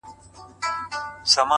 o هغه به چيري وي،